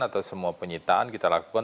atau semua penyitaan kita lakukan